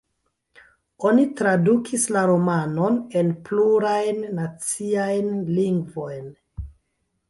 Oni tradukis la romanon en plurajn naciajn lingvojn.